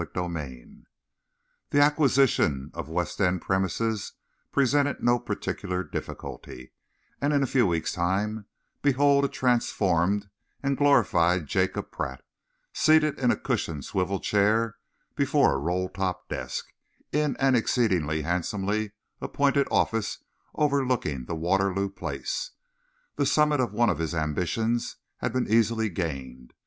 CHAPTER VI The acquisition of West End premises presented no particular difficulty, and in a few weeks' time behold a transformed and glorified Jacob Pratt, seated in a cushioned swivel chair before a roll top desk, in an exceedingly handsomely appointed office overlooking Waterloo Place. The summit of one of his ambitions had been easily gained.